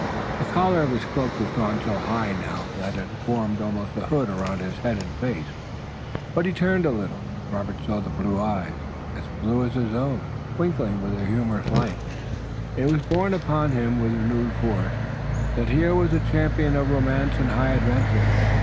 The collar of his cloak was drawn so high now that it formed almost a hood around his head and face, but he turned a little, and Robert saw the blue eyes, as blue as his own, twinkling with a humorous light. It was borne upon him with renewed force that here was a champion of romance and high adventure.